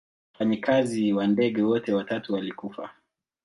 Wafanyikazi wa ndege wote watatu walikufa.